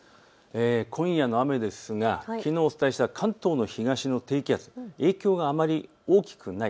今夜の雨ですがきのうお伝えした関東の東の低気圧、影響があまり大きくない。